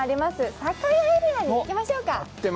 酒屋エリアに行きましょうか。